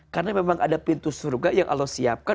karena memang ada pintu surga yang allah siapkan